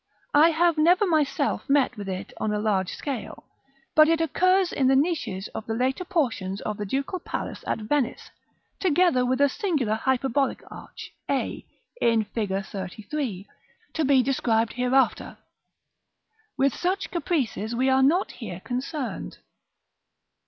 I have never myself met with it on a large scale; but it occurs in the niches of the later portions of the Ducal palace at Venice, together with a singular hyperbolic arch, a in Fig. XXXIII., to be described hereafter: with such caprices we are not here concerned.